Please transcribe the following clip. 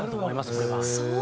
これは。